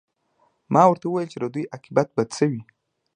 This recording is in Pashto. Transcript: ما ورته وویل چې د دوی عاقبت به څه وي